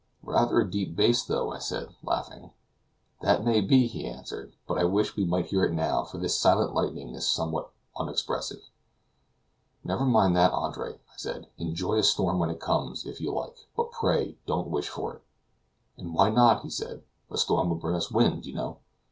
"Rather a deep bass, though," I said, laughing. "That may be," he answered; "but I wish we might hear it now, for this silent lightning is somewhat unexpressive." "Never mind that, Andre," I said; "enjoy a storm when it comes, if you like, but pray don't wish for it." "And why not?" said he; "a storm will bring us wind, you know."